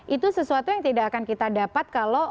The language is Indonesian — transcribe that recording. itu sesuatu yang tidak akan kita dapat kalau